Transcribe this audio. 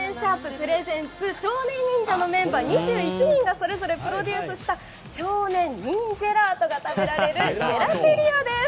ｐｒｅｓｅｎｔｓ少年忍者の２１人がそれぞれプロデュースした少年忍じぇらーとが食べられるジェラテリアです。